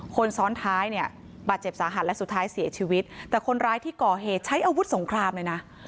คนซ้อนท้ายเนี่ยบาดเจ็บสาหัสและสุดท้ายเสียชีวิตแต่คนร้ายที่ก่อเหตุใช้อาวุธสงครามเลยนะ